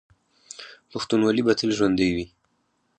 پښتونولي به تل ژوندي وي.